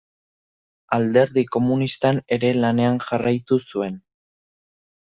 Alderdi Komunistan ere lanean jarraitu zuen.